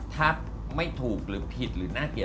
ถ้าไม่ถูกหรือผิดหรือน่าเกลีย